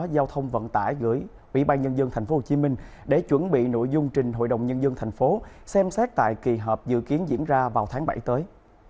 giao thông vận tải gửi ủy ban nhân dân thành phố hồ chí minh để chuẩn bị nội dung trình hội đồng nhân dân thành phố xem xét tại kỳ hợp dự kiến diễn ra vào tháng bảy tới